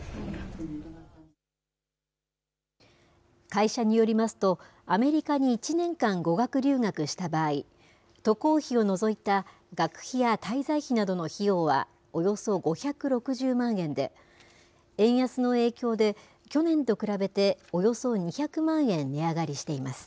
会社によりますと、アメリカに１年間語学留学した場合、渡航費を除いた学費や滞在費などの費用はおよそ５６０万円で、円安の影響で去年と比べておよそ２００万円値上がりしています。